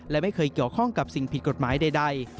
และไม่เคยเกี่ยวข้องกับสิ่งผิดกฎหมายใด